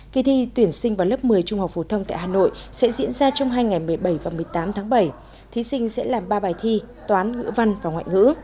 kỳ thi tuyển sinh vào lớp một mươi trung học phổ thông tại hà nội sẽ diễn ra trong hai ngày một mươi bảy và một mươi tám tháng bảy thí sinh sẽ làm ba bài thi toán ngữ văn và ngoại ngữ